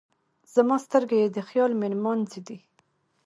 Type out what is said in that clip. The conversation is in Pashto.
زما سترګې یې د خیال مېلمانځی دی.